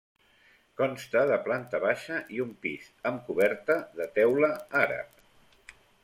Consta de planta baixa i un pis, amb coberta de teula àrab.